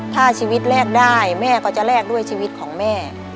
ถ้าชีวิตแลกได้แม่ก็จะแลกด้วยชีวิตของแม่